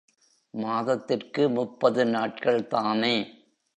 மாதத்திற்கு முப்பது நாட்கள் தானே?